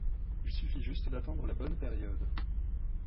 Il suffit juste d’attendre la bonne période.